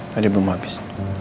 tadi belum habis